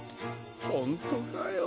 ほんとかよ。